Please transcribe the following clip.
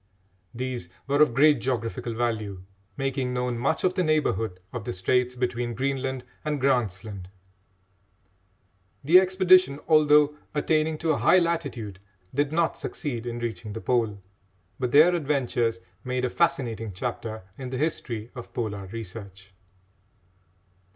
These were of great geographical value, making known much of the neighbourhood of the straits between Greenland and Grant's Land. The expedition, although attaining to a high latitude, did not succeed in reaching the Pole, but their adventures made a fascinating chapter in the history of Polar research.